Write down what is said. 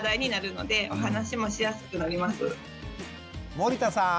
森田さん。